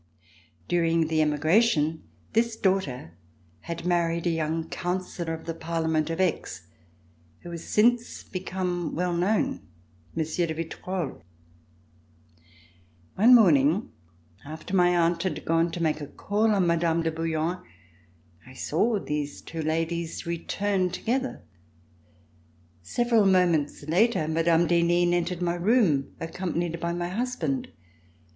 During the emigra tion this daughter had married a young counsellor of the Parlement of Aix who has since become well known, M. de Vitrolles. RECOLLECTIONS OF THE REVOLUTION One morning after my aunt had gone to make a call on Mme. de Bouillon, I saw these two ladies return together. Several moments later, Mme. d'Henin entered my room accompanied by my hushand.